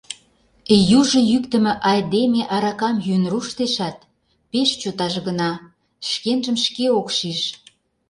Южо йӱктымӧ айдеме аракам йӱын руштешат, пеш чот ажгына, шкенжым шке ок шиж.